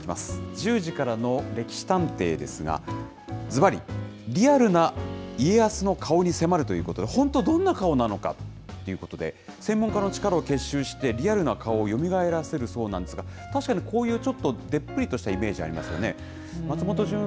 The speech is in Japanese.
１０時からの歴史探偵ですが、ずばり、リアルな家康の顔に迫るということで、本当はどんな顔なのかということで、専門家の力を結集して、リアルな顔をよみがえらせるそうなんですが、確かにこういうちょっとでっぷりとしたイメージありますよね。